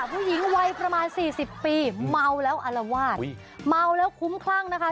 ผู้หญิงวัยประมาณสี่สิบปีเมาแล้วอารวาสเมาแล้วคุ้มคลั่งนะคะ